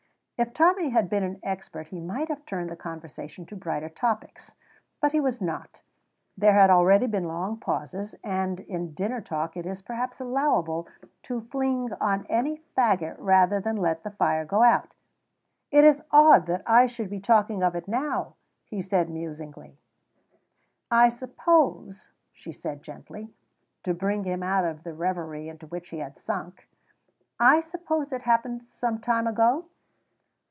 If Tommy had been an expert he might have turned the conversation to brighter topics, but he was not; there had already been long pauses, and in dinner talk it is perhaps allowable to fling on any faggot rather than let the fire go out. "It is odd that I should be talking of it now," he said musingly. "I suppose," she said gently, to bring him out of the reverie into which he had sunk, "I suppose it happened some time ago?"